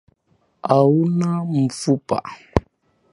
Hauna mfupa.